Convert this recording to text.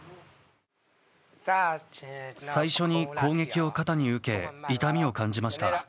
最初に攻撃を肩に受け痛みを感じました。